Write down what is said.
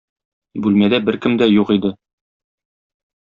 Бүлмәдә беркем дә юк иде.